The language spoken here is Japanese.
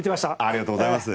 ありがとうございます。